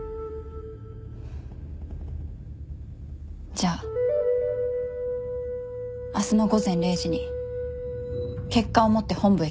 じゃあ明日の午前０時に結果を持って本部へ来て。